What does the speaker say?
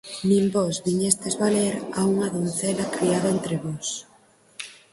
Nin vós viñestes valer a unha doncela criada entre vós.